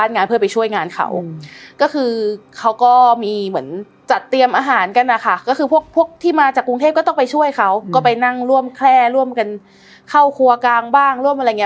นั่งแคล่ร่วมกันเข้าครัวกลางบ้างร่วมอะไรอย่างนี้